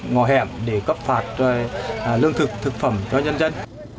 ngò hẹm để cấp phạt lương thực thức phẩm cho nhân dân